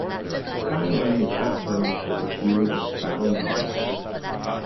Skyline is best known for its view of Saddle Mountain.